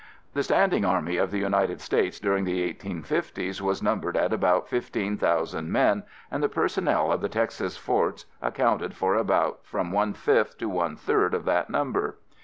The standing army of the United States during the 1850's was numbered at about fifteen thousand men and the personnel of the Texas forts accounted for about from one fifth to one third of that number.